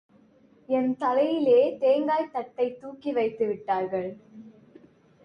என் தலையிலே தேங்காய்த் தட்டைத் தூக்கிவைத்து விட்டார்கள்.